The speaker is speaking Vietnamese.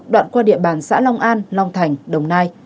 đoạn qua địa bàn xã long an long thành đồng nai